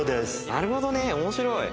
なるほどね面白い。